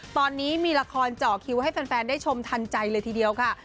ตอนนี้มีละครเจาะคิวให้แฟนได้ชมทันใจเลยทีเดียวค่ะ